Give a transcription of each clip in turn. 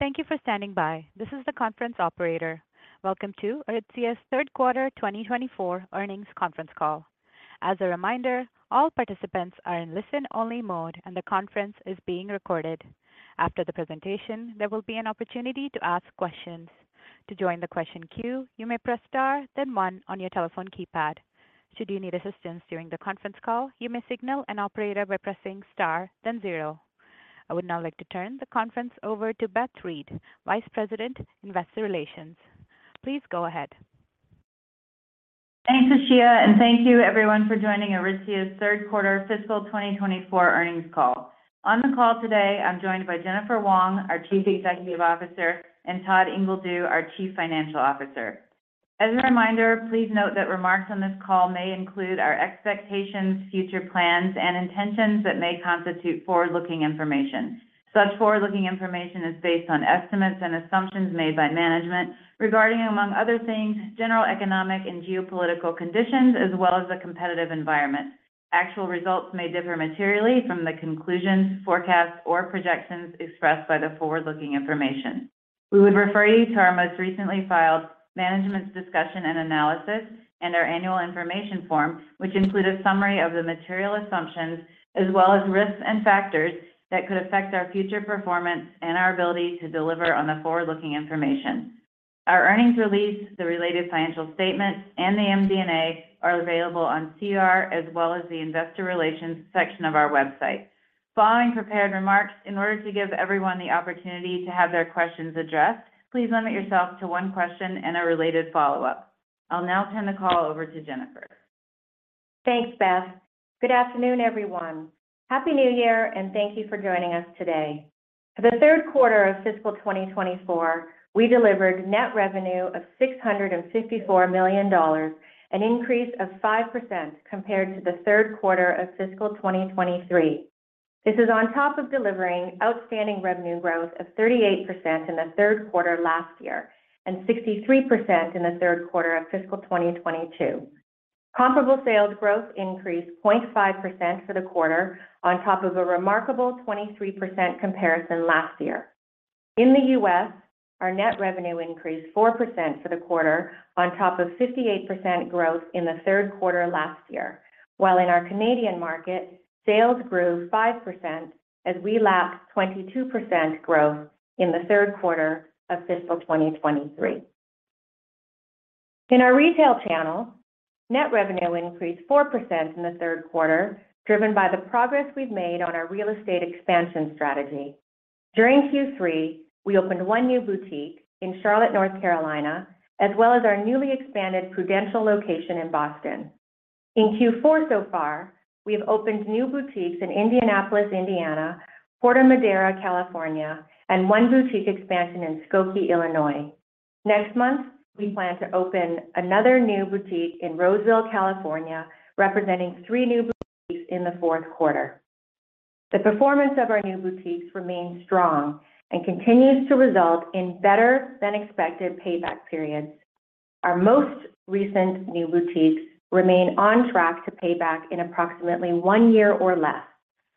Thank you for standing by. This is the conference operator. Welcome to Aritzia's third quarter 2024 earnings conference call. As a reminder, all participants are in listen-only mode, and the conference is being recorded. After the presentation, there will be an opportunity to ask questions. To join the question queue, you may press star, then one on your telephone keypad. Should you need assistance during the conference call, you may signal an operator by pressing star, then zero. I would now like to turn the conference over to Beth Reed, Vice President, Investor Relations. Please go ahead. Thanks, Ashia, and thank you everyone for joining Aritzia's third quarter fiscal 2024 earnings call. On the call today, I'm joined by Jennifer Wong, our Chief Executive Officer, and Todd Ingledew, our Chief Financial Officer. As a reminder, please note that remarks on this call may include our expectations, future plans, and intentions that may constitute forward-looking information. Such forward-looking information is based on estimates and assumptions made by management regarding, among other things, general economic and geopolitical conditions, as well as the competitive environment. Actual results may differ materially from the conclusions, forecasts, or projections expressed by the forward-looking information. We would refer you to our most recently filed management's discussion and analysis and our annual information form, which include a summary of the material assumptions, as well as risks and factors that could affect our future performance and our ability to deliver on the forward-looking information. Our earnings release, the related financial statements, and the MD&A are available on SEDAR as well as the investor relations section of our website. Following prepared remarks, in order to give everyone the opportunity to have their questions addressed, please limit yourself to one question and a related follow-up. I'll now turn the call over to Jennifer. Thanks, Beth. Good afternoon, everyone. Happy New Year, and thank you for joining us today. For the third quarter of fiscal 2024, we delivered net revenue of 654 million dollars, an increase of 5% compared to the third quarter of fiscal 2023. This is on top of delivering outstanding revenue growth of 38% in the third quarter last year and 63% in the third quarter of fiscal 2022. Comparable sales growth increased 0.5% for the quarter on top of a remarkable 23% comparison last year. In the U.S., our net revenue increased 4% for the quarter on top of 58% growth in the third quarter last year, while in our Canadian market, sales grew 5% as we lapped 22% growth in the third quarter of fiscal 2023. In our retail channel, net revenue increased 4% in the third quarter, driven by the progress we've made on our real estate expansion strategy. During Q3, we opened one new boutique in Charlotte, North Carolina, as well as our newly expanded Prudential location in Boston, Massachusetts. In Q4 so far, we have opened new boutiques in Indianapolis, Indiana, Corte Madera, California, and one boutique expansion in Skokie, Illinois. Next month, we plan to open another new boutique in Roseville, California, representing three new boutiques in the fourth quarter. The performance of our new boutiques remains strong and continues to result in better-than-expected payback periods. Our most recent new boutiques remain on track to pay back in approximately one year or less,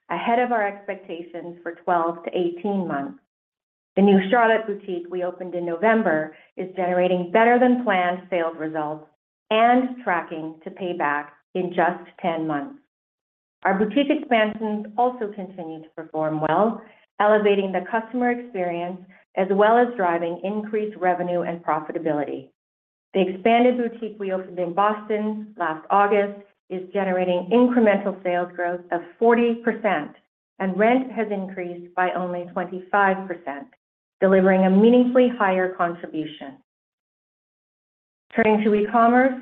ahead of our expectations for 12-18 months. The new Charlotte boutique we opened in November is generating better-than-planned sales results and tracking to pay back in just 10 months. Our boutique expansions also continue to perform well, elevating the customer experience, as well as driving increased revenue and profitability. The expanded boutique we opened in Boston last August is generating incremental sales growth of 40%, and rent has increased by only 25%, delivering a meaningfully higher contribution. Turning to e-commerce,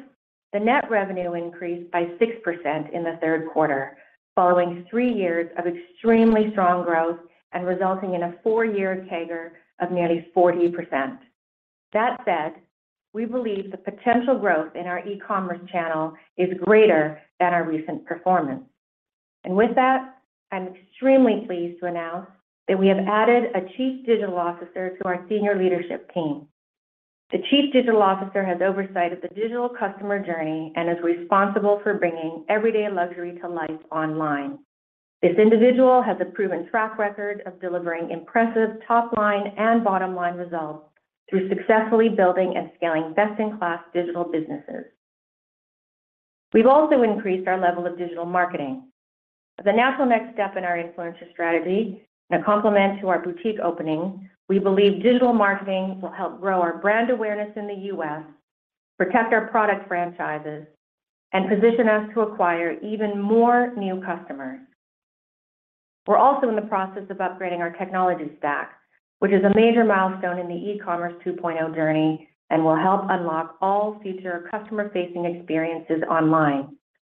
the net revenue increased by 6% in the third quarter, following three years of extremely strong growth and resulting in a 4-year CAGR of nearly 40%. That said, we believe the potential growth in our e-commerce channel is greater than our recent performance. And with that, I'm extremely pleased to announce that we have added a Chief Digital Officer to our senior leadership team. The Chief Digital Officer has oversight of the digital customer journey and is responsible for bringing everyday luxury to life online. This individual has a proven track record of delivering impressive top-line and bottom-line results through successfully building and scaling best-in-class digital businesses. We've also increased our level of digital marketing. The natural next step in our influencer strategy, a complement to our boutique opening, we believe digital marketing will help grow our brand awareness in the U.S., protect our product franchises, and position us to acquire even more new customers. We're also in the process of upgrading our technology stack, which is a major milestone in the e-commerce 2.0 journey and will help unlock all future customer-facing experiences online,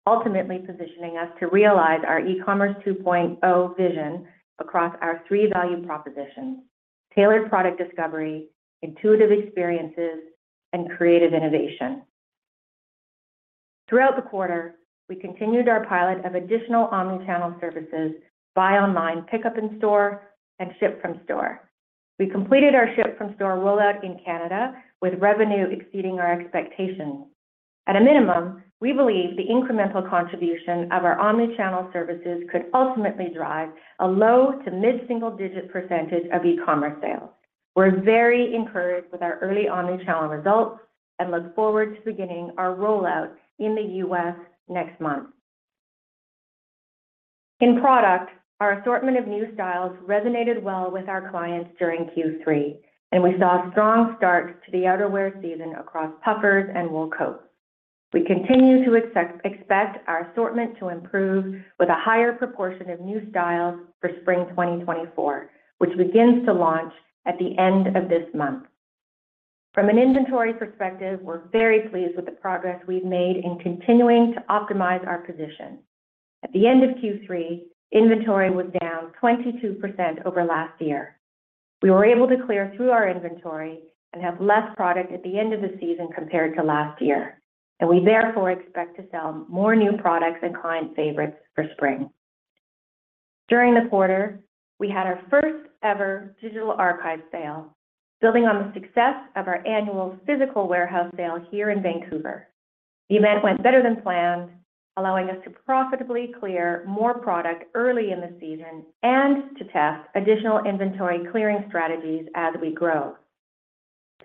ultimately positioning us to realize our e-commerce 2.0 vision across our three value propositions: tailored product discovery, intuitive experiences, and creative innovation. Throughout the quarter, we continued our pilot of additional omni-channel services, buy online, pickup in store, and ship from store. We completed our ship from store rollout in Canada, with revenue exceeding our expectations.... At a minimum, we believe the incremental contribution of our omni-channel services could ultimately drive a low- to mid-single-digit % of e-commerce sales. We're very encouraged with our early omni-channel results and look forward to beginning our rollout in the U.S. next month. In product, our assortment of new styles resonated well with our clients during Q3, and we saw a strong start to the outerwear season across puffers and wool coats. We continue to expect our assortment to improve with a higher proportion of new styles for spring 2024, which begins to launch at the end of this month. From an inventory perspective, we're very pleased with the progress we've made in continuing to optimize our position. At the end of Q3, inventory was down 22% over last year. We were able to clear through our inventory and have less product at the end of the season compared to last year, and we therefore expect to sell more new products and client favorites for spring. During the quarter, we had our first-ever digital archive sale, building on the success of our annual physical warehouse sale here in Vancouver. The event went better than planned, allowing us to profitably clear more product early in the season and to test additional inventory clearing strategies as we grow.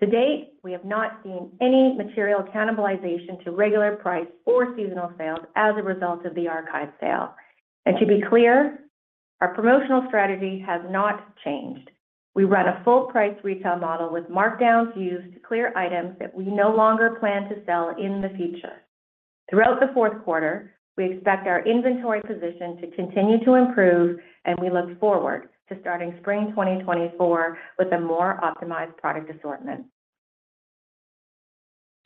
To date, we have not seen any material cannibalization to regular price or seasonal sales as a result of the archive sale. And to be clear, our promotional strategy has not changed. We run a full price retail model with markdowns used to clear items that we no longer plan to sell in the future. Throughout the fourth quarter, we expect our inventory position to continue to improve, and we look forward to starting spring 2024 with a more optimized product assortment.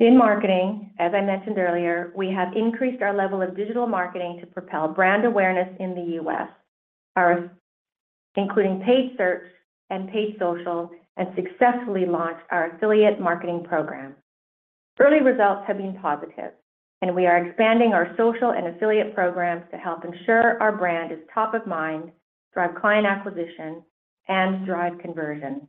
In marketing, as I mentioned earlier, we have increased our level of digital marketing to propel brand awareness in the U.S. Our, including paid search and paid social, and successfully launched our affiliate marketing program. Early results have been positive, and we are expanding our social and affiliate programs to help ensure our brand is top of mind, drive client acquisition, and drive conversion.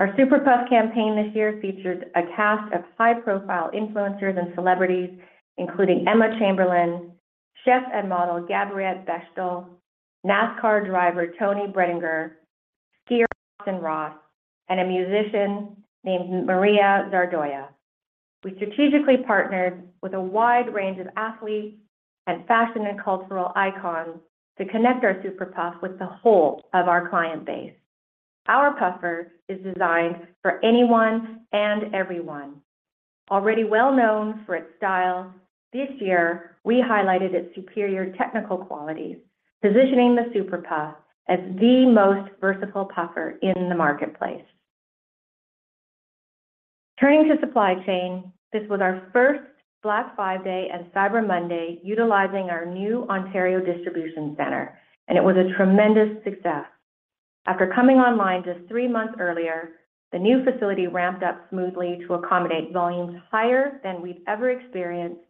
Our Super Puff campaign this year featured a cast of high-profile influencers and celebrities, including Emma Chamberlain, chef and model Gabriella Bechtel, NASCAR driver Toni Breidinger, skier Austin Ross, and a musician named Maria Zardoya. We strategically partnered with a wide range of athletes and fashion and cultural icons to connect our Super Puff with the whole of our client base. Our puffer is designed for anyone and everyone. Already well known for its style, this year, we highlighted its superior technical qualities, positioning the Super Puff as the most versatile puffer in the marketplace. Turning to supply chain, this was our first Black Friday and Cyber Monday, utilizing our new Ontario Distribution Center, and it was a tremendous success. After coming online just three months earlier, the new facility ramped up smoothly to accommodate volumes higher than we've ever experienced,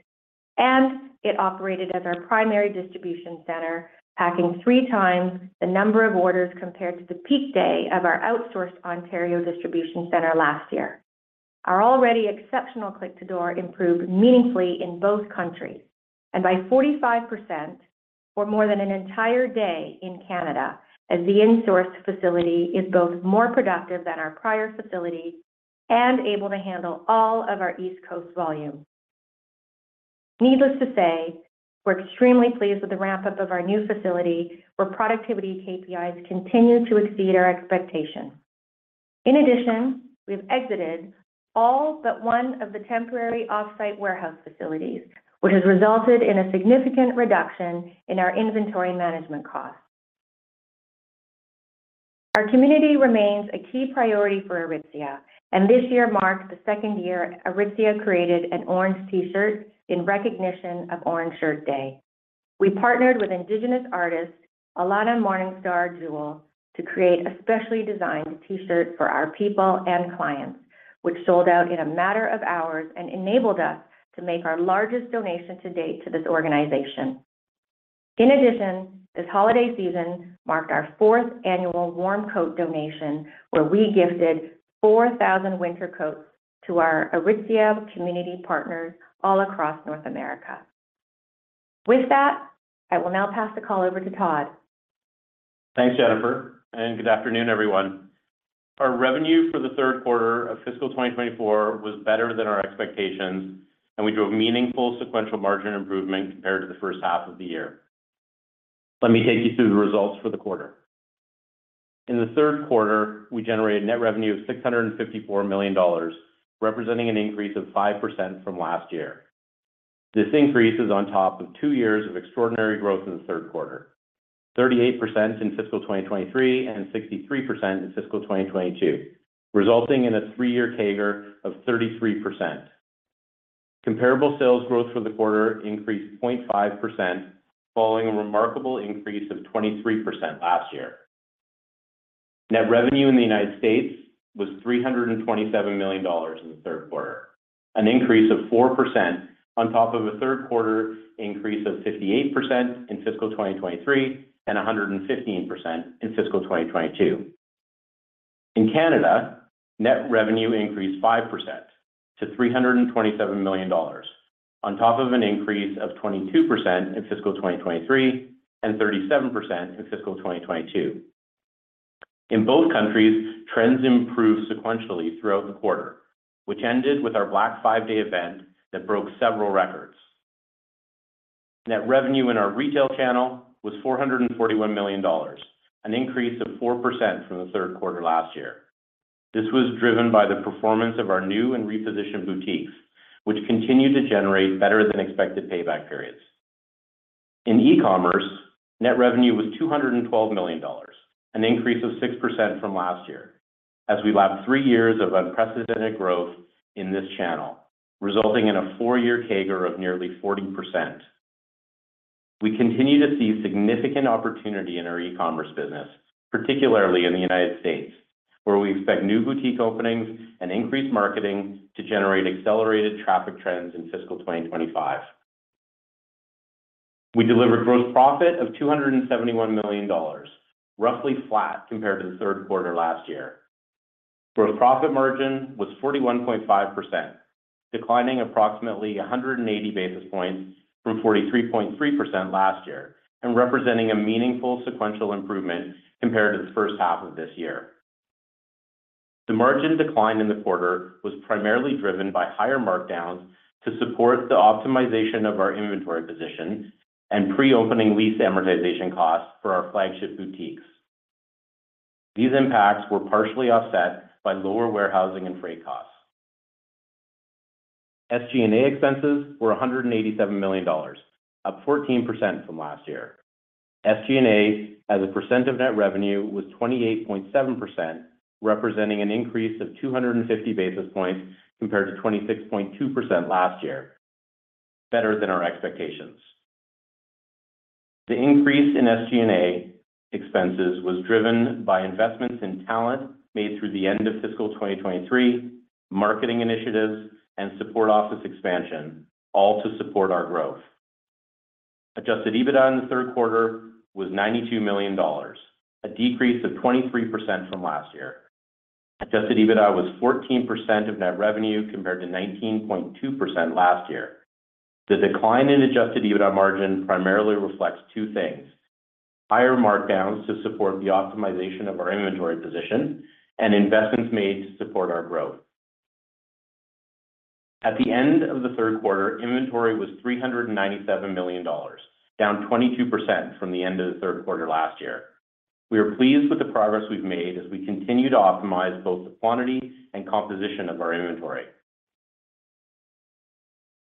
and it operated as our primary distribution center, packing three times the number of orders compared to the peak day of our outsourced Ontario Distribution Center last year. Our already exceptional click-to-door improved meaningfully in both countries, and by 45% or more than an entire day in Canada, as the insourced facility is both more productive than our prior facility and able to handle all of our East Coast volume. Needless to say, we're extremely pleased with the ramp-up of our new facility, where productivity KPIs continue to exceed our expectations. In addition, we've exited all but one of the temporary off-site warehouse facilities, which has resulted in a significant reduction in our inventory management costs. Our community remains a key priority for Aritzia, and this year marks the second year Aritzia created an orange T-shirt in recognition of Orange Shirt Day. We partnered with Indigenous artist, Ateyenka, to create a specially designed T-shirt for our people and clients, which sold out in a matter of hours and enabled us to make our largest donation to date to this organization. In addition, this holiday season marked our fourth annual warm coat donation, where we gifted 4,000 winter coats to our Aritzia community partners all across North America. With that, I will now pass the call over to Todd. Thanks, Jennifer, and good afternoon, everyone. Our revenue for the third quarter of fiscal 2024 was better than our expectations, and we drove meaningful sequential margin improvement compared to the first half of the year. Let me take you through the results for the quarter. In the third quarter, we generated net revenue of 654 million dollars, representing an increase of 5% from last year. This increase is on top of two years of extraordinary growth in the third quarter, 38% in fiscal 2023 and 63% in fiscal 2022, resulting in a three-year CAGR of 33%. Comparable sales growth for the quarter increased 0.5%, following a remarkable increase of 23% last year. Net revenue in the United States was $327 million in the third quarter, an increase of 4% on top of a third quarter increase of 58% in fiscal 2023 and 115% in fiscal 2022. In Canada, net revenue increased 5% to 327 million dollars, on top of an increase of 22% in fiscal 2023, and 37% in fiscal 2022. In both countries, trends improved sequentially throughout the quarter, which ended with our Black Fiveday event that broke several records. Net revenue in our retail channel was 441 million dollars, an increase of 4% from the third quarter last year. This was driven by the performance of our new and repositioned boutiques, which continued to generate better-than-expected payback periods. In e-commerce, net revenue was 212 million dollars, an increase of 6% from last year, as we lapped 3 years of unprecedented growth in this channel, resulting in a four-year CAGR of nearly 40%. We continue to see significant opportunity in our e-commerce business, particularly in the United States, where we expect new boutique openings and increased marketing to generate accelerated traffic trends in fiscal 2025. We delivered gross profit of 271 million dollars, roughly flat compared to the third quarter last year. Gross profit margin was 41.5%, declining approximately 180 basis points from 43.3% last year, and representing a meaningful sequential improvement compared to the first half of this year. The margin decline in the quarter was primarily driven by higher markdowns to support the optimization of our inventory position and pre-opening lease amortization costs for our flagship boutiques. These impacts were partially offset by lower warehousing and freight costs. SG&A expenses were 187 million dollars, up 14% from last year. SG&A, as a percent of net revenue, was 28.7%, representing an increase of 250 basis points compared to 26.2% last year, better than our expectations. The increase in SG&A expenses was driven by investments in talent made through the end of fiscal 2023, marketing initiatives, and support office expansion, all to support our growth. Adjusted EBITDA in the third quarter was 92 million dollars, a decrease of 23% from last year. Adjusted EBITDA was 14% of net revenue, compared to 19.2% last year. The decline in adjusted EBITDA margin primarily reflects two things: higher markdowns to support the optimization of our inventory position and investments made to support our growth. At the end of the third quarter, inventory was 397 million dollars, down 22% from the end of the third quarter last year. We are pleased with the progress we've made as we continue to optimize both the quantity and composition of our inventory.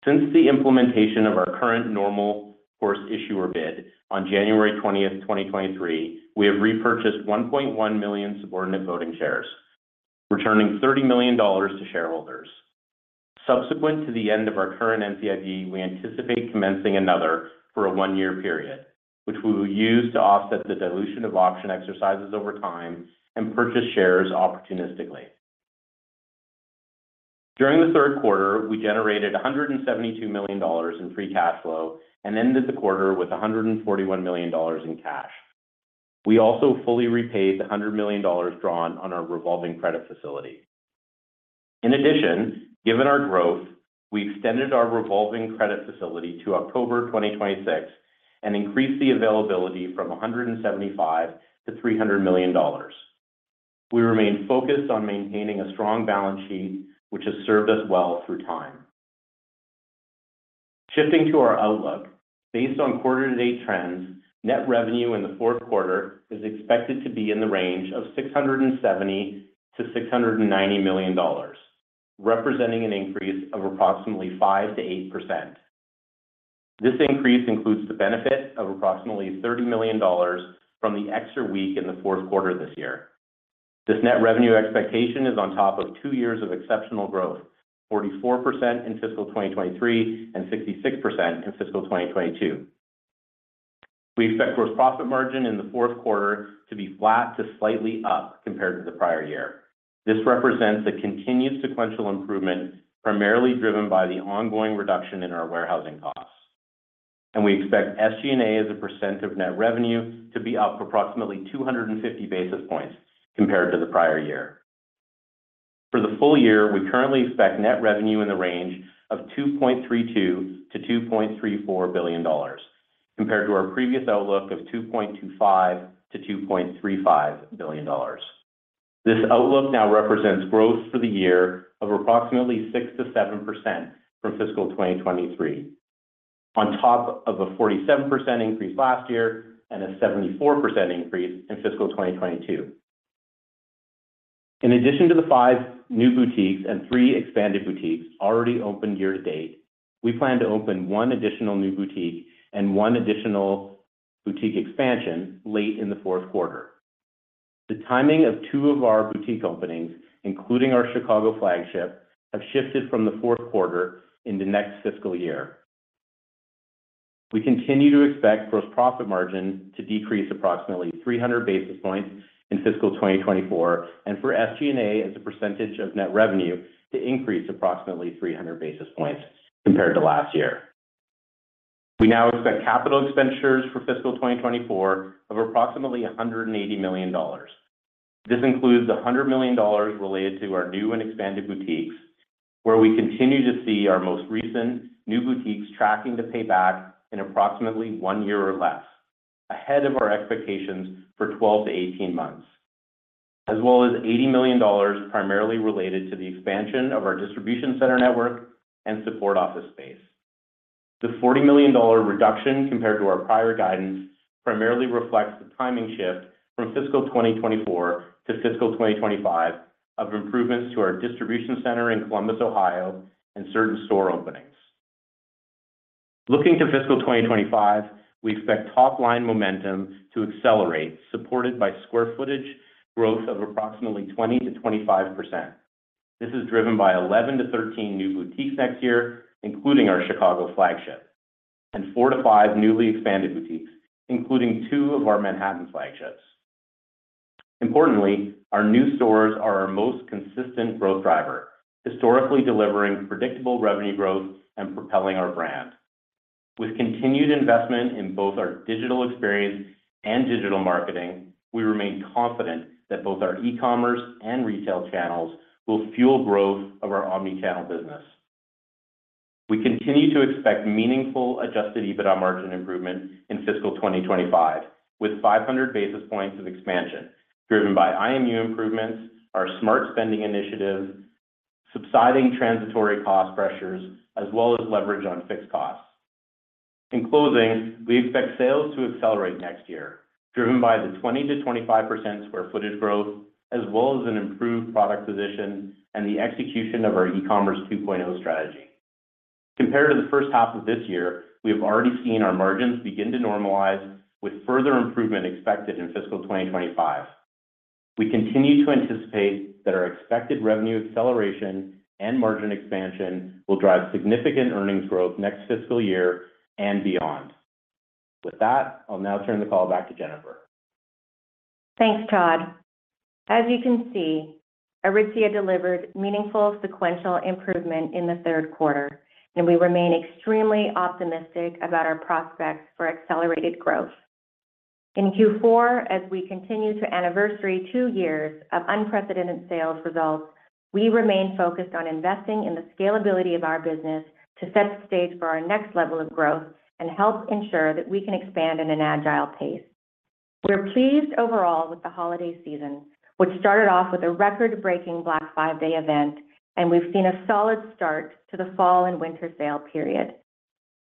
Since the implementation of our current normal course issuer bid on January 20, 2023, we have repurchased 1.1 million subordinate voting shares, returning 30 million dollars to shareholders. Subsequent to the end of our current NCIB, we anticipate commencing another for a one-year period, which we will use to offset the dilution of option exercises over time and purchase shares opportunistically. During the third quarter, we generated 172 million dollars in free cash flow and ended the quarter with 141 million dollars in cash. We also fully repaid the 100 million dollars drawn on our revolving credit facility. In addition, given our growth, we extended our revolving credit facility to October 2026 and increased the availability from 175 to 300 million dollars. We remain focused on maintaining a strong balance sheet, which has served us well through time. Shifting to our outlook, based on quarter-to-date trends, net revenue in the fourth quarter is expected to be in the range of 670 million-690 million dollars, representing an increase of approximately 5%-8%. This increase includes the benefit of approximately 30 million dollars from the extra week in the fourth quarter this year. This net revenue expectation is on top of two years of exceptional growth, 44% in fiscal 2023 and 66% in fiscal 2022. We expect gross profit margin in the fourth quarter to be flat to slightly up compared to the prior year. This represents a continued sequential improvement, primarily driven by the ongoing reduction in our warehousing costs, and we expect SG&A as a percent of net revenue to be up approximately 250 basis points compared to the prior year. For the full year, we currently expect net revenue in the range of 2.32 billion-2.34 billion dollars, compared to our previous outlook of 2.25 billion-2.35 billion dollars. This outlook now represents growth for the year of approximately 6%-7% from fiscal 2023, on top of a 47% increase last year and a 74% increase in fiscal 2022. In addition to the five new boutiques and three expanded boutiques already opened year to date, we plan to open one additional new boutique and one additional boutique expansion late in the fourth quarter. The timing of two of our boutique openings, including our Chicago flagship, have shifted from the fourth quarter into next fiscal year. We continue to expect gross profit margin to decrease approximately 300 basis points in fiscal 2024, and for SG&A, as a percentage of net revenue, to increase approximately 300 basis points compared to last year. We now expect capital expenditures for fiscal 2024 of approximately CAD $180 million. This includes CAD $100 million related to our new and expanded boutiques, where we continue to see our most recent new boutiques tracking to pay back in approximately one year or less, ahead of our expectations for 12-18 months, as well as CAD $80 million primarily related to the expansion of our distribution center network and support office space. The 40 million dollar reduction compared to our prior guidance, primarily reflects the timing shift from fiscal 2024 to fiscal 2025, of improvements to our distribution center in Columbus, Ohio, and certain store openings. Looking to fiscal 2025, we expect top line momentum to accelerate, supported by square footage growth of approximately 20%-25%. This is driven by 11-13 new boutiques next year, including our Chicago flagship, and 4-5 newly expanded boutiques, including two of our Manhattan flagships. Importantly, our new stores are our most consistent growth driver, historically delivering predictable revenue growth and propelling our brand. With continued investment in both our digital experience and digital marketing, we remain confident that both our e-commerce and retail channels will fuel growth of our omni-channel business. We continue to expect meaningful adjusted EBITDA margin improvement in fiscal 2025, with 500 basis points of expansion, driven by IMU improvements, our smart spending initiatives, subsiding transitory cost pressures, as well as leverage on fixed costs. In closing, we expect sales to accelerate next year, driven by the 20%-25% square footage growth, as well as an improved product position and the execution of our e-commerce 2.0 strategy. Compared to the first half of this year, we have already seen our margins begin to normalize, with further improvement expected in fiscal 2025. We continue to anticipate that our expected revenue acceleration and margin expansion will drive significant earnings growth next fiscal year and beyond. With that, I'll now turn the call back to Jennifer. Thanks, Todd. As you can see, Aritzia delivered meaningful sequential improvement in the third quarter, and we remain extremely optimistic about our prospects for accelerated growth. In Q4, as we continue to anniversary two years of unprecedented sales results, we remain focused on investing in the scalability of our business to set the stage for our next level of growth, and help ensure that we can expand in an agile pace. We're pleased overall with the holiday season, which started off with a record-breaking Black Fiveday event, and we've seen a solid start to the fall and winter sale period.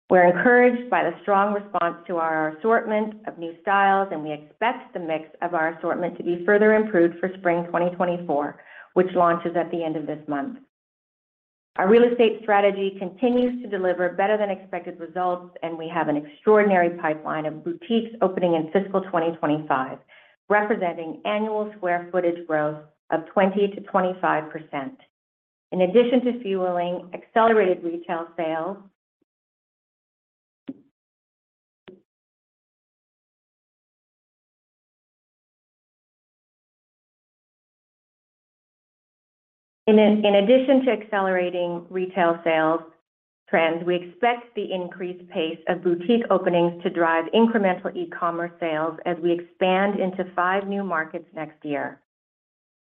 We're encouraged by the strong response to our assortment of new styles, and we expect the mix of our assortment to be further improved for spring 2024, which launches at the end of this month. Our real estate strategy continues to deliver better than expected results, and we have an extraordinary pipeline of boutiques opening in fiscal 2025, representing annual square footage growth of 20%-25%. In addition to fueling accelerated retail sales, in addition to accelerating retail sales trends, we expect the increased pace of boutique openings to drive incremental e-commerce sales as we expand into five new markets next year.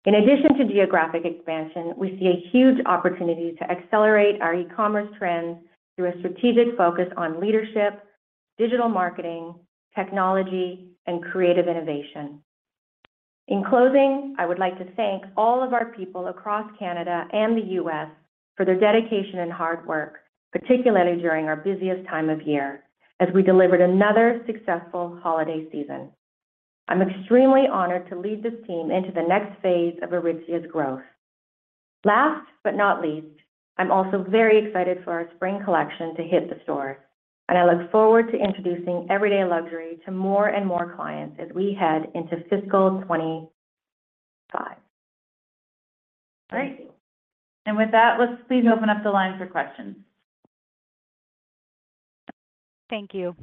In addition to geographic expansion, we see a huge opportunity to accelerate our e-commerce trends through a strategic focus on leadership, digital marketing, technology, and creative innovation. In closing, I would like to thank all of our people across Canada and the U.S. for their dedication and hard work, particularly during our busiest time of year, as we delivered another successful holiday season. I'm extremely honored to lead this team into the next phase of Aritzia's growth. Last but not least, I'm also very excited for our spring collection to hit the store, and I look forward to introducing everyday luxury to more and more clients as we head into fiscal 2025. Great. With that, let's please open up the line for questions. Thank you.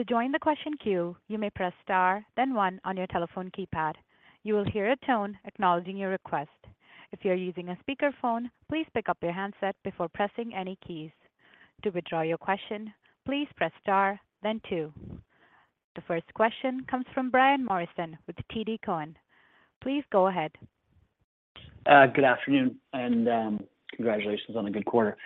To join the question queue, you may press star, then one on your telephone keypad. You will hear a tone acknowledging your request. If you are using a speakerphone, please pick up your handset before pressing any keys. To withdraw your question, please press star, then two. The first question comes from Brian Morrison with TD Cowen. Please go ahead. Good afternoon, and congratulations on a good quarter.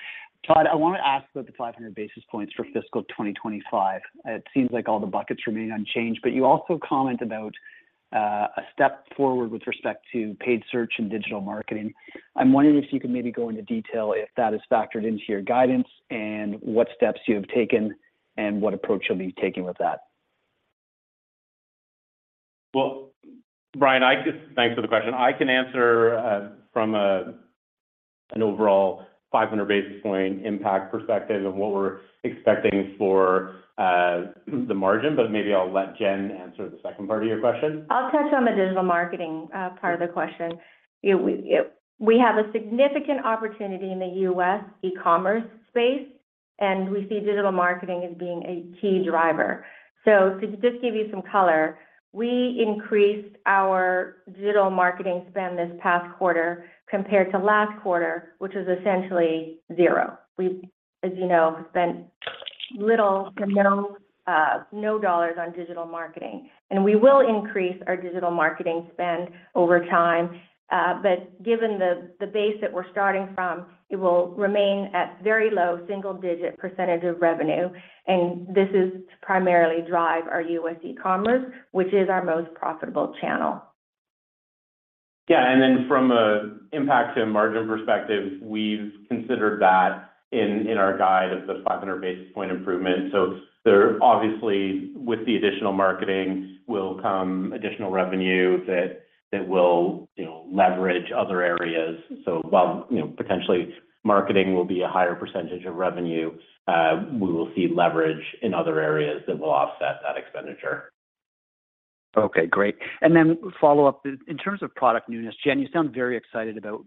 Todd, I want to ask about the 500 basis points for fiscal 2025. It seems like all the buckets remain unchanged, but you also comment about a step forward with respect to paid search and digital marketing. I'm wondering if you could maybe go into detail, if that is factored into your guidance, and what steps you have taken, and what approach you'll be taking with that? Well, Brian, I just... Thanks for the question. I can answer from an overall 500 basis point impact perspective of what we're expecting for the margin, but maybe I'll let Jen answer the second part of your question. I'll touch on the digital marketing part of the question. It... We have a significant opportunity in the U.S. e-commerce space, and we see digital marketing as being a key driver. So to just give you some color, we increased our digital marketing spend this past quarter compared to last quarter, which was essentially zero. We've, as you know, spent little to no, no dollars on digital marketing. And we will increase our digital marketing spend over time, but given the base that we're starting from, it will remain at very low single digit percentage of revenue, and this is to primarily drive our U.S. e-commerce, which is our most profitable channel. Yeah, and then from an impact to margin perspective, we've considered that in our guide of the 500 basis points improvement. So there obviously, with the additional marketing, will come additional revenue that will, you know, leverage other areas. So while, you know, potentially marketing will be a higher percentage of revenue, we will see leverage in other areas that will offset that expenditure. Okay, great. Then follow up, in terms of product newness, Jen, you sound very excited about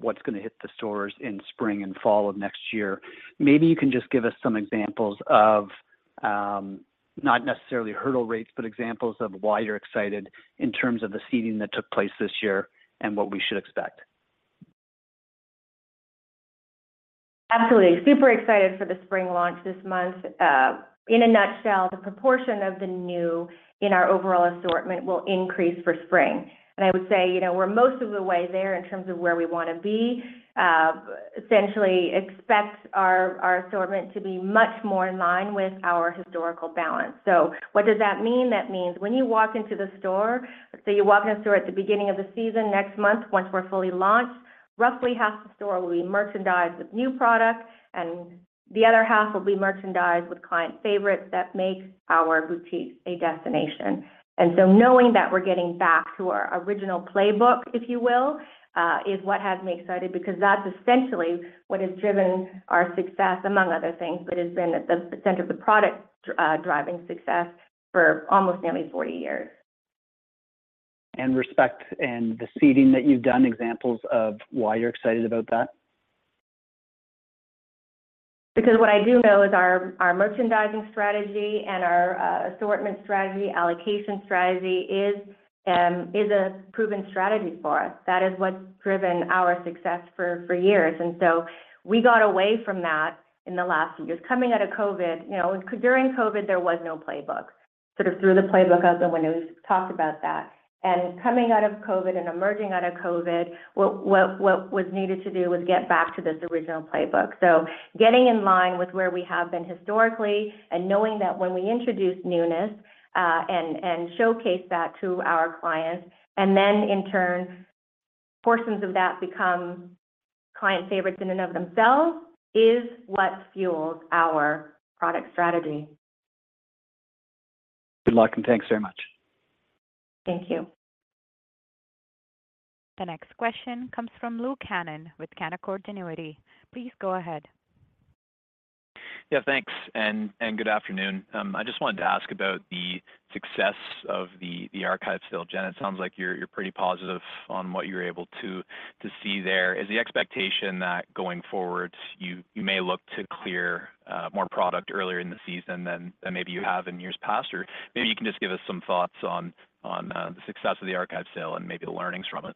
what's gonna hit the stores in spring and fall of next year. Maybe you can just give us some examples of, not necessarily hurdle rates, but examples of why you're excited in terms of the seeding that took place this year and what we should expect. Absolutely. Super excited for the spring launch this month. In a nutshell, the proportion of the new in our overall assortment will increase for spring. And I would say, you know, we're most of the way there in terms of where we want to be. Essentially expect our, our assortment to be much more in line with our historical balance. So what does that mean? That means when you walk into the store, so you walk into the store at the beginning of the season, next month, once we're fully launched, roughly half the store will be merchandised with new products, and the other half will be merchandised with client favorites that make our boutique a destination. Knowing that we're getting back to our original playbook, if you will, is what has me excited, because that's essentially what has driven our success, among other things, but has been at the center of the product, driving success for almost nearly 40 years. Respect and the seeding that you've done, examples of why you're excited about that? Because what I do know is our merchandising strategy and our assortment strategy, allocation strategy is a proven strategy for us. That is what's driven our success for years. And so we got away from that in the last few years. Coming out of COVID, you know, during COVID, there was no playbook. Sort of threw the playbook out the window. We've talked about that. And coming out of COVID and emerging out of COVID, what was needed to do was get back to this original playbook. So getting in line with where we have been historically and knowing that when we introduce newness and showcase that to our clients, and then in turn, portions of that become client favorites in and of themselves, is what fuels our product strategy. Good luck, and thanks very much. Thank you. The next question comes from Luke Hannan with Canaccord Genuity. Please go ahead. Yeah, thanks, and good afternoon. I just wanted to ask about the success of the archive sale. Jen, it sounds like you're pretty positive on what you're able to see there. Is the expectation that going forward, you may look to clear more product earlier in the season than maybe you have in years past? Or maybe you can just give us some thoughts on the success of the archive sale and maybe the learnings from it.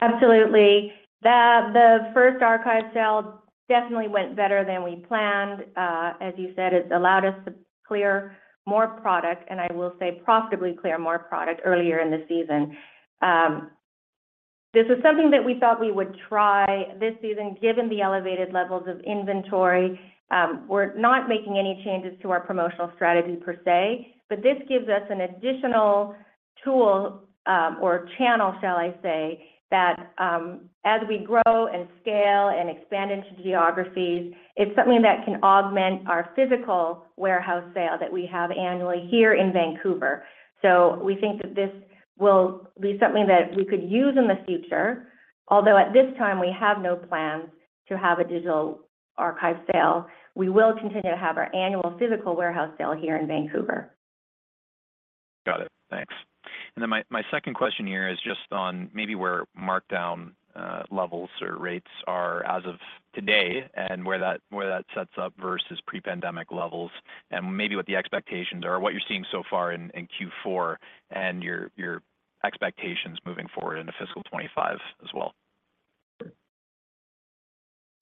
Absolutely. The first archive sale definitely went better than we planned. As you said, it allowed us to clear more product, and I will say, profitably clear more product earlier in the season. This is something that we thought we would try this season, given the elevated levels of inventory. We're not making any changes to our promotional strategy per se, but this gives us an additional tool, or channel, shall I say, that, as we grow and scale and expand into geographies, it's something that can augment our physical warehouse sale that we have annually here in Vancouver. So we think that this will be something that we could use in the future, although at this time, we have no plans to have a digital archive sale. We will continue to have our annual physical warehouse sale here in Vancouver. Got it. Thanks. And then my second question here is just on maybe where markdown levels or rates are as of today and where that sets up versus pre-pandemic levels, and maybe what the expectations are, or what you're seeing so far in Q4, and your expectations moving forward into fiscal 2025 as well.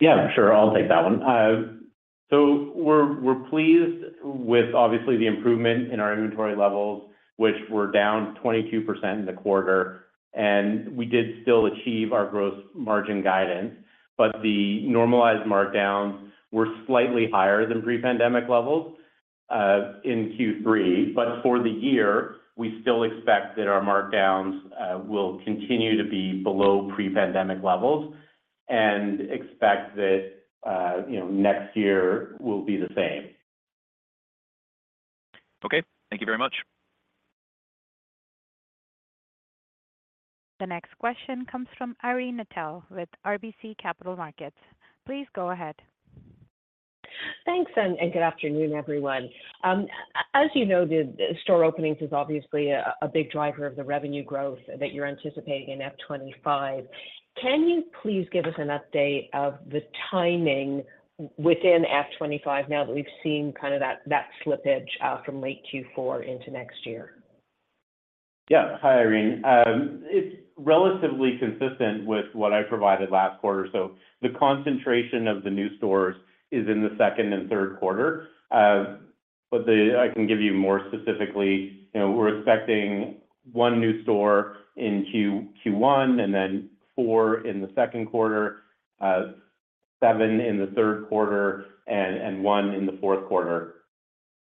Yeah, sure. I'll take that one. So we're pleased with obviously the improvement in our inventory levels, which were down 22% in the quarter, and we did still achieve our gross margin guidance. But the normalized markdowns were slightly higher than pre-pandemic levels in Q3. But for the year, we still expect that our markdowns will continue to be below pre-pandemic levels and expect that, you know, next year will be the same. Okay. Thank you very much. The next question comes from Irene Nattel with RBC Capital Markets. Please go ahead. Thanks, and good afternoon, everyone. As you know, the store openings is obviously a big driver of the revenue growth that you're anticipating in F25. Can you please give us an update of the timing within F25 now that we've seen kind of that slippage from late Q4 into next year? Yeah. Hi, Irene. It's relatively consistent with what I provided last quarter. So the concentration of the new stores is in the second and third quarter. But the-- I can give you more specifically. You know, we're expecting 1 new store in Q1, and then 4 in the second quarter, 7 in the third quarter, and 1 in the fourth quarter.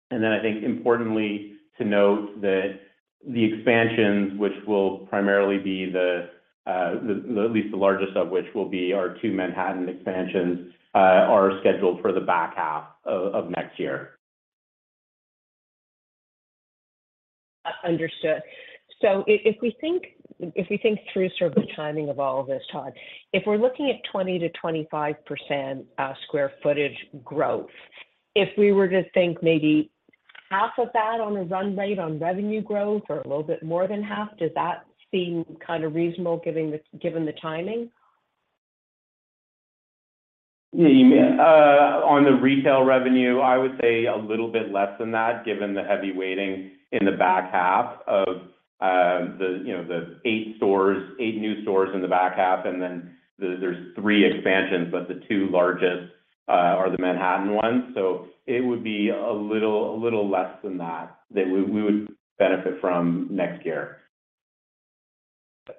And then I think importantly to note that the expansions, which will primarily be the, at least the largest of which will be our 2 Manhattan expansions, are scheduled for the back half of next year. Understood. So if we think, if we think through sort of the timing of all of this, Todd, if we're looking at 20%-25% square footage growth, if we were to think maybe half of that on a run rate on revenue growth or a little bit more than half, does that seem kind of reasonable, given the timing? Yeah, you. On the retail revenue, I would say a little bit less than that, given the heavy weighting in the back half of, you know, the 8 stores, 8 new stores in the back half, and then there's 3 expansions, but the 2 largest are the Manhattan ones. So it would be a little, a little less than that, that we, we would benefit from next year.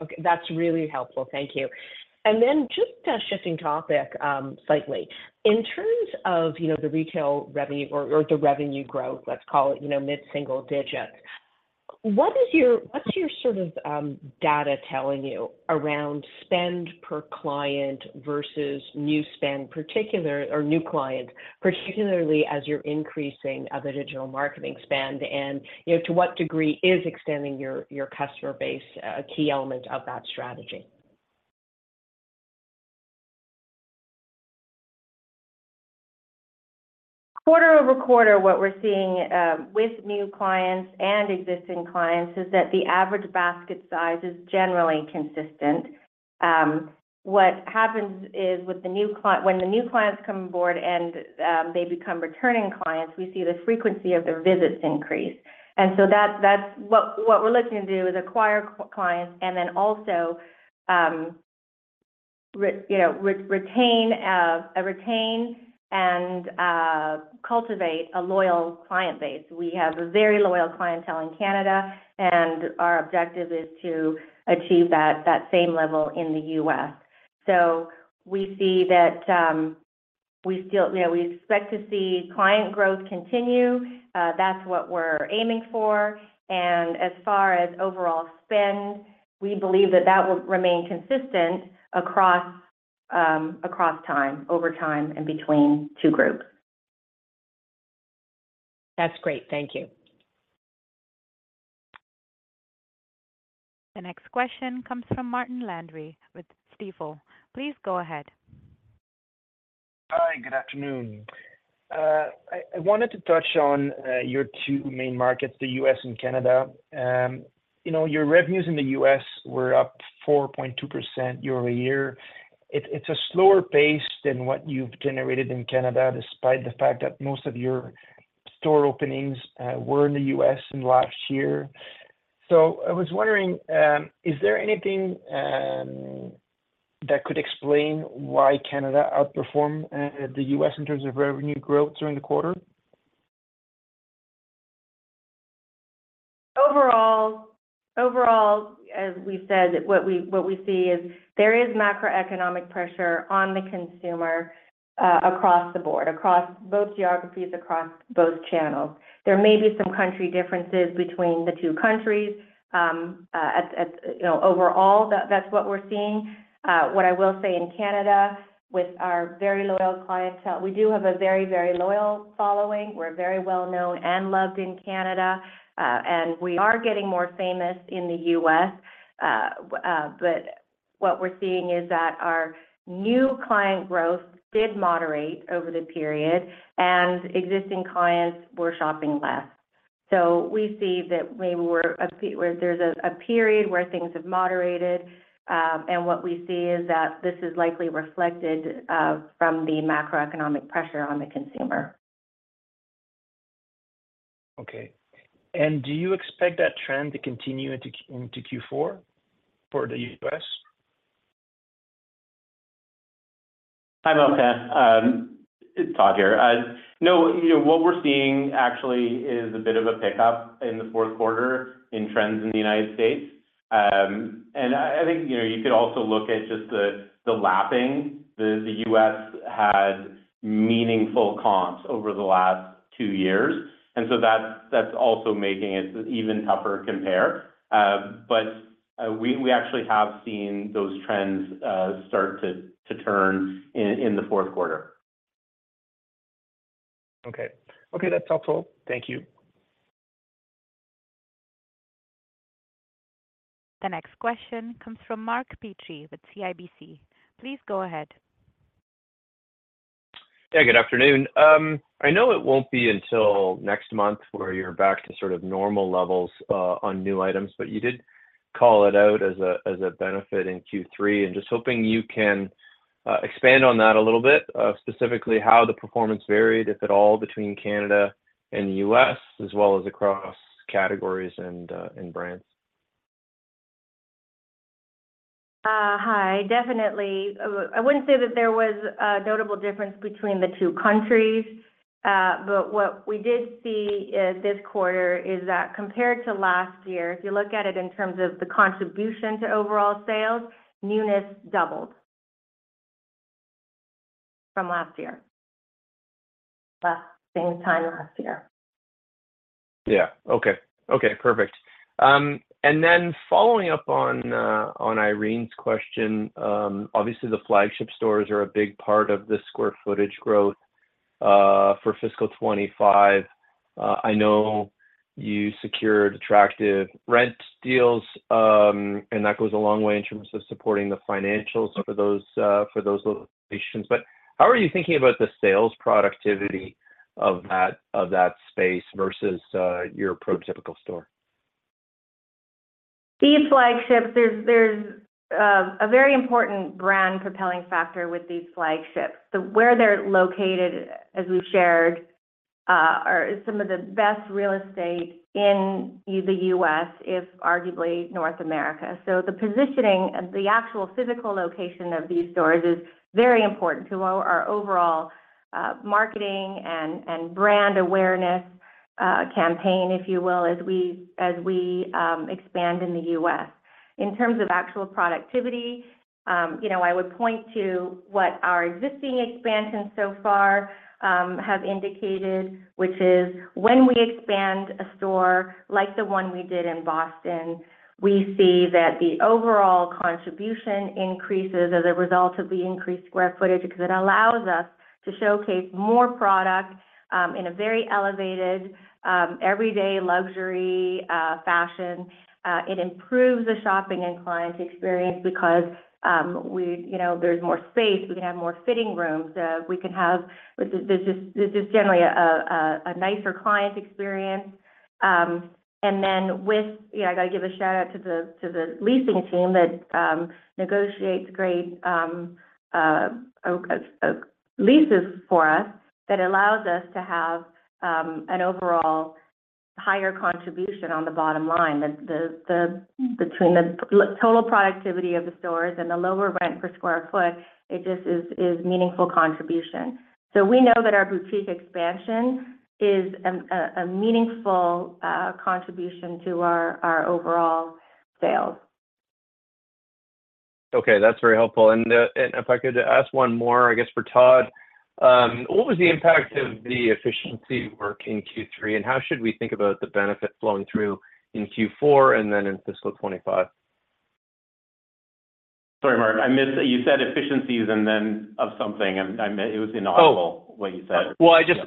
Okay, that's really helpful. Thank you. And then just shifting topic slightly. In terms of, you know, the retail revenue or the revenue growth, let's call it, you know, mid single digits, what's your sort of data telling you around spend per client versus new spend or new clients, particularly as you're increasing the digital marketing spend? And, you know, to what degree is extending your customer base a key element of that strategy? Quarter-over-quarter, what we're seeing with new clients and existing clients is that the average basket size is generally consistent. What happens is with the new client—when the new clients come on board and they become returning clients, we see the frequency of their visits increase. And so that's what we're looking to do, is acquire clients and then also, you know, retain and cultivate a loyal client base. We have a very loyal clientele in Canada, and our objective is to achieve that same level in the U.S. So we see that we still. You know, we expect to see client growth continue. That's what we're aiming for. And as far as overall spend, we believe that that will remain consistent across time, over time and between two groups. That's great. Thank you. The next question comes from Martin Landry with Stifel. Please go ahead. Hi, good afternoon. I wanted to touch on your two main markets, the U.S. and Canada. You know, your revenues in the U.S. were up 4.2% year-over-year. It's a slower pace than what you've generated in Canada, despite the fact that most of your store openings were in the U.S. last year. So I was wondering, is there anything that could explain why Canada outperformed the U.S. in terms of revenue growth during the quarter? Overall, overall, as we said, what we see is there is macroeconomic pressure on the consumer across the board, across both geographies, across both channels. There may be some country differences between the two countries. You know, overall, that's what we're seeing. What I will say in Canada, with our very loyal clientele, we do have a very, very loyal following. We're very well known and loved in Canada, and we are getting more famous in the U.S. But what we're seeing is that our new client growth did moderate over the period, and existing clients were shopping less. So we see that we were where there's a period where things have moderated, and what we see is that this is likely reflected from the macroeconomic pressure on the consumer. Okay. And do you expect that trend to continue into Q4 for the US? Hi, Martin. It's Todd here. No, you know, what we're seeing actually is a bit of a pickup in the fourth quarter in trends in the United States. And I think, you know, you could also look at just the lapping. The U.S. had meaningful comps over the last two years, and so that's also making it an even tougher compare. But we actually have seen those trends start to turn in the fourth quarter. Okay. Okay, that's helpful. Thank you. The next question comes from Mark Petrie with CIBC. Please go ahead. Yeah, good afternoon. I know it won't be until next month where you're back to sort of normal levels on new items, but you did call it out as a benefit in Q3, and just hoping you can expand on that a little bit of specifically how the performance varied, if at all, between Canada and the U.S., as well as across categories and brands. Hi, definitely. I wouldn't say that there was a notable difference between the two countries. But what we did see this quarter is that compared to last year, if you look at it in terms of the contribution to overall sales, newness doubled from last year. Same time last year. Yeah. Okay. Okay, perfect. And then following up on Irene's question, obviously, the flagship stores are a big part of the square footage growth for fiscal 2025. I know you secured attractive rent deals, and that goes a long way in terms of supporting the financials for those locations. But how are you thinking about the sales productivity of that space versus your prototypical store? These flagships, there's a very important brand propelling factor with these flagships. So where they're located, as we've shared, are some of the best real estate in either U.S., if arguably North America. So the positioning and the actual physical location of these stores is very important to our overall marketing and brand awareness campaign, if you will, as we expand in the U.S. In terms of actual productivity, you know, I would point to what our existing expansion so far have indicated, which is when we expand a store like the one we did in Boston, we see that the overall contribution increases as a result of the increased square footage, because it allows us to showcase more product in a very elevated everyday luxury fashion. It improves the shopping and client experience because, we, you know, there's more space, we can have more fitting rooms. We can have... This is generally a nicer client experience. And then with... Yeah, I got to give a shout-out to the leasing team that negotiates great leases for us, that allows us to have an overall higher contribution on the bottom line. The between the total productivity of the stores and the lower rent per square foot, it just is meaningful contribution. So we know that our boutique expansion is a meaningful contribution to our overall sales. Okay, that's very helpful. And, and if I could ask one more, I guess, for Todd. What was the impact of the efficiency work in Q3, and how should we think about the benefit flowing through in Q4 and then in fiscal 2025? Sorry, Mark, I missed that. You said efficiencies and then of something, and it was inaudible. Oh. -what you said. Well, I just...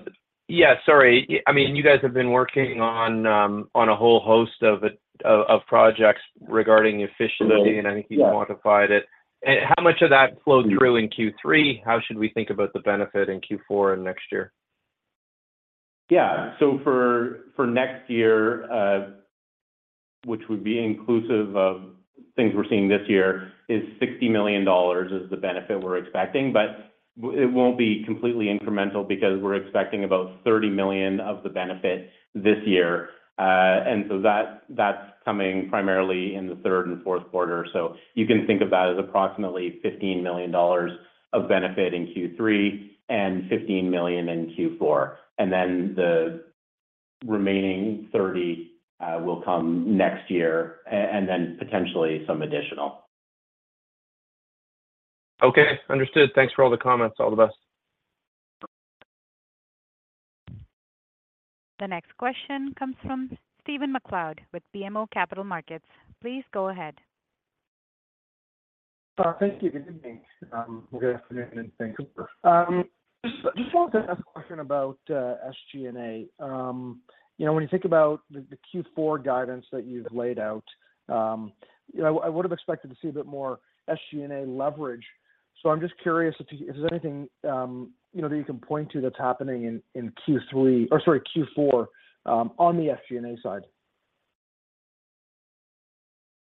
Yeah, sorry. I mean, you guys have been working on a whole host of projects regarding efficiency- Yeah. I think you quantified it. How much of that flowed through in Q3? How should we think about the benefit in Q4 and next year? Yeah. So for next year, which would be inclusive of things we're seeing this year, is 60 million dollars is the benefit we're expecting, but it won't be completely incremental because we're expecting about 30 million of the benefit this year. And so that's coming primarily in the third and fourth quarter. So you can think of that as approximately 15 million dollars of benefit in Q3 and 15 million in Q4. And then the remaining thirty will come next year, and then potentially some additional. Okay, understood. Thanks for all the comments. All the best. The next question comes from Stephen MacLeod with BMO Capital Markets. Please go ahead. Thank you. Good evening, or good afternoon in Vancouver. Just, just wanted to ask a question about SG&A. You know, when you think about the Q4 guidance that you've laid out, you know, I would have expected to see a bit more SG&A leverage. So I'm just curious if you... If there's anything, you know, that you can point to that's happening in Q3, or sorry, Q4, on the SG&A side.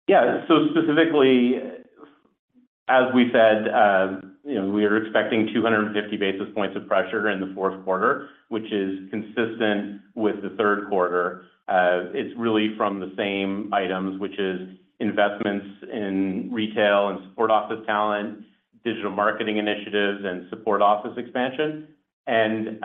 Yeah. So specifically, as we said, you know, we are expecting 250 basis points of pressure in the fourth quarter, which is consistent with the third quarter. It's really from the same items, which is investments in retail and support office talent, digital marketing initiatives, and support office expansion. And,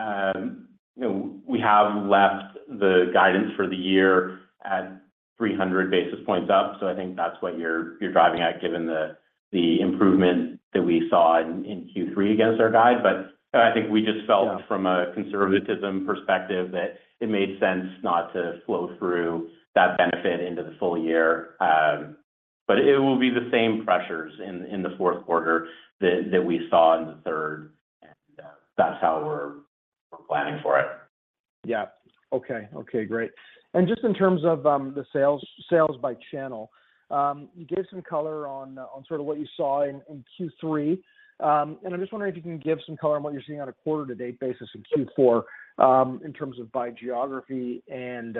you know, we have left the guidance for the year at 300 basis points up. So I think that's what you're, you're driving at, given the, the improvement that we saw in, in Q3 against our guide. But I think we just felt- Yeah from a conservatism perspective, that it made sense not to flow through that benefit into the full year. But it will be the same pressures in the fourth quarter that we saw in the third. That's how we're planning for it. Yeah. Okay. Okay, great. And just in terms of the sales, sales by channel, you gave some color on sort of what you saw in Q3. And I'm just wondering if you can give some color on what you're seeing on a quarter to date basis in Q4, in terms of by geography and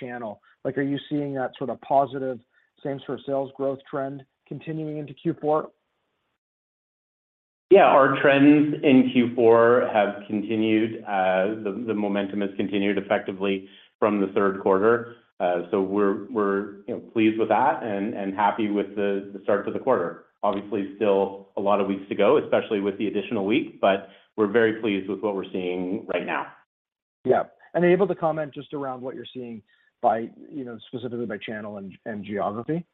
channel. Like, are you seeing that sort of positive same store sales growth trend continuing into Q4? Yeah, our trends in Q4 have continued. The momentum has continued effectively from the third quarter. So we're, you know, pleased with that and happy with the start to the quarter. Obviously, still a lot of weeks to go, especially with the additional week, but we're very pleased with what we're seeing right now. Yeah. And able to comment just around what you're seeing by, you know, specifically by channel and geography?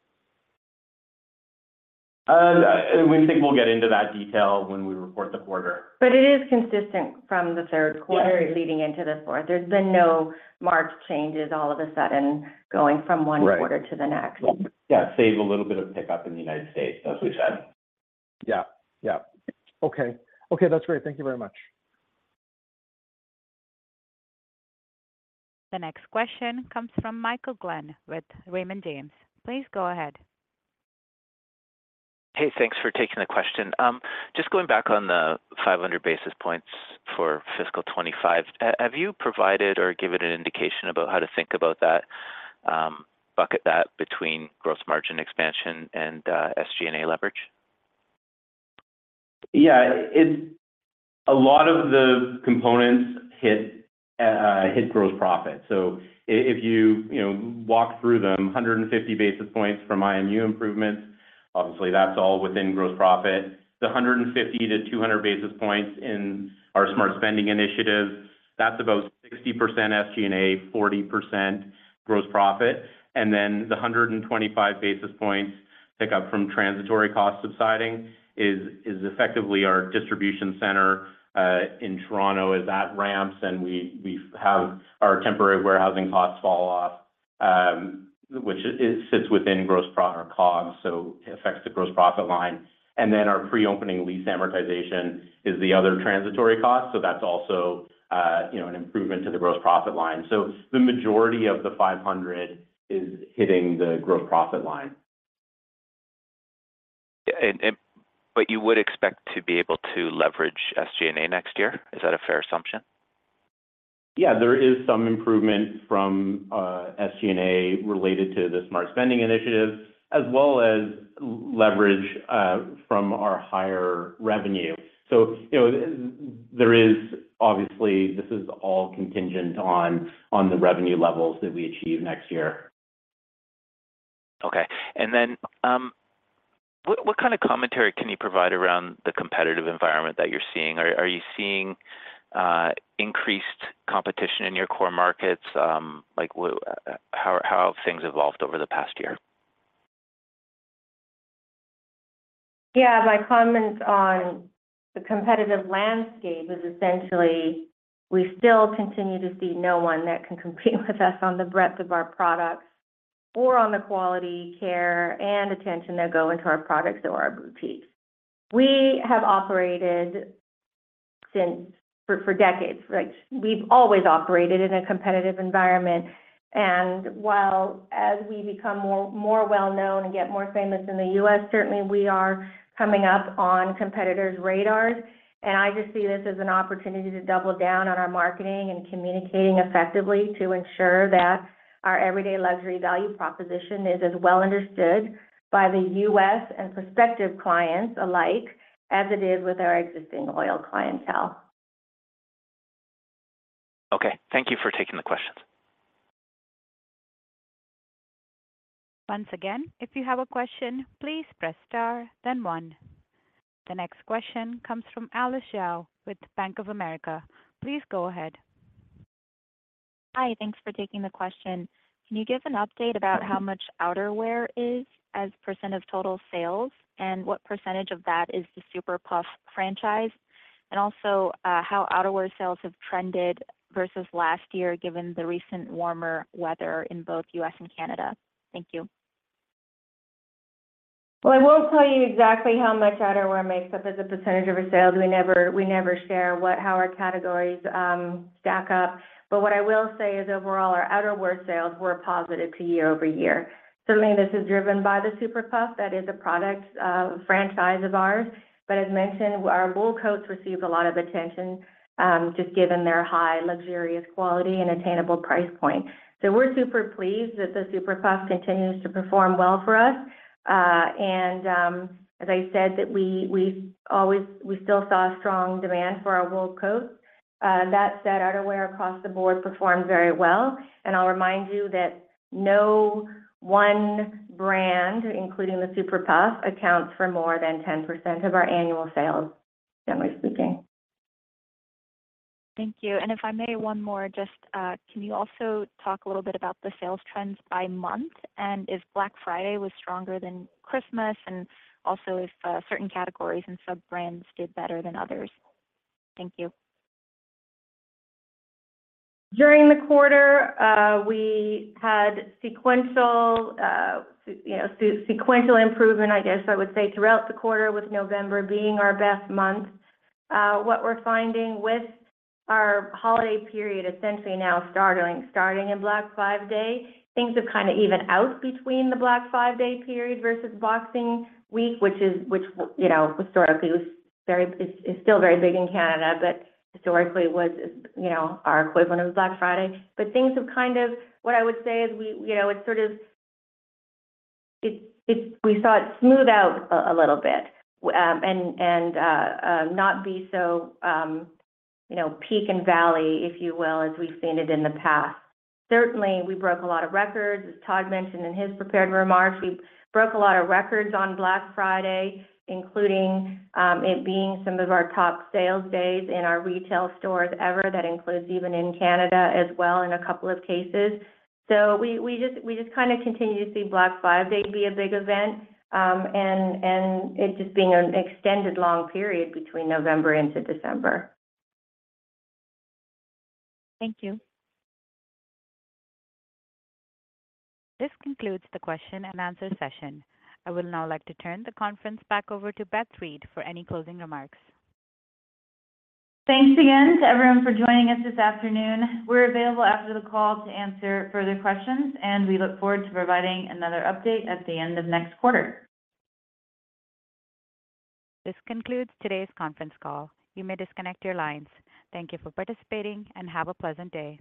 We think we'll get into that detail when we report the quarter. But it is consistent from the third quarter- Yes leading into the fourth. There's been no marked changes all of a sudden going from one- Right quarter to the next. Yeah, saw a little bit of pickup in the United States, as we said. Yeah. Yeah. Okay. Okay, that's great. Thank you very much. The next question comes from Michael Glenn with Raymond James. Please go ahead. Hey, thanks for taking the question. Just going back on the 500 basis points for fiscal 2025, have you provided or given an indication about how to think about that bucket that between gross margin expansion and SG&A leverage? Yeah. It's a lot of the components hit gross profit. So if you, you know, walk through them, 150 basis points from IMU improvements, obviously, that's all within gross profit. The 150-200 basis points in our smart spending initiative, that's about 60% SG&A, 40% gross profit. And then, the 125 basis points pick up from transitory costs subsiding is effectively our distribution center in Toronto. As that ramps, then we have our temporary warehousing costs fall off, which it sits within gross profit or COGS, so it affects the gross profit line. And then, our pre-opening lease amortization is the other transitory cost, so that's also, you know, an improvement to the gross profit line. So the majority of the 500 is hitting the gross profit line. But you would expect to be able to leverage SG&A next year? Is that a fair assumption? Yeah, there is some improvement from SG&A related to the smart spending initiative, as well as leverage from our higher revenue. So, you know, there is, obviously, this is all contingent on the revenue levels that we achieve next year. Okay. And then, what kind of commentary can you provide around the competitive environment that you're seeing? Are you seeing increased competition in your core markets? Like, how have things evolved over the past year? Yeah. My comment on the competitive landscape is essentially, we still continue to see no one that can compete with us on the breadth of our products or on the quality, care, and attention that go into our products or our boutiques. We have operated for decades, like, we've always operated in a competitive environment. While as we become more well known and get more famous in the US, certainly we are coming up on competitors' radars. I just see this as an opportunity to double down on our marketing and communicating effectively to ensure that our everyday luxury value proposition is as well understood by the US and prospective clients alike, as it is with our existing loyal clientele. Okay. Thank you for taking the questions. Once again, if you have a question, please press star, then one. The next question comes from Alice Xiao with Bank of America. Please go ahead. Hi, thanks for taking the question. Can you give an update about how much outerwear is as a % of total sales, and what % of that is the Super Puff franchise? And also, how outerwear sales have trended versus last year, given the recent warmer weather in both U.S. and Canada? Thank you. Well, I won't tell you exactly how much outerwear makes up as a percentage of our sales. We never, we never share what... how our categories stack up. But what I will say is, overall, our outerwear sales were positive to year-over-year. Certainly, this is driven by the Super Puff. That is a product franchise of ours. But as mentioned, our wool coats received a lot of attention, just given their high, luxurious quality and attainable price point. So we're super pleased that the Super Puff continues to perform well for us. And, as I said, that we always, we still saw a strong demand for our wool coats. That said, outerwear across the board performed very well. I'll remind you that no one brand, including the Super Puff, accounts for more than 10% of our annual sales, generally speaking. Thank you. If I may, one more, just, can you also talk a little bit about the sales trends by month? If Black Friday was stronger than Christmas, and also if certain categories and sub-brands did better than others? Thank you. During the quarter, we had sequential, you know, sequential improvement, I guess I would say, throughout the quarter, with November being our best month. What we're finding with our holiday period, essentially now starting in Black Friday, things have kinda evened out between the Black Friday period versus Boxing Week, which is, you know, historically was very, is still very big in Canada, but historically was, you know, our equivalent of Black Friday. But things have kind of... What I would say is we, you know, it sort of, we saw it smooth out a little bit, and not be so, you know, peak and valley, if you will, as we've seen it in the past. Certainly, we broke a lot of records. As Todd mentioned in his prepared remarks, we broke a lot of records on Black Friday, including it being some of our top sales days in our retail stores ever. That includes even in Canada as well, in a couple of cases. So we just kinda continue to see Black Friday be a big event, and it just being an extended long period between November into December. Thank you. This concludes the question and answer session. I would now like to turn the conference back over to Beth Reed for any closing remarks. Thanks again to everyone for joining us this afternoon. We're available after the call to answer further questions, and we look forward to providing another update at the end of next quarter. This concludes today's conference call. You may disconnect your lines. Thank you for participating, and have a pleasant day.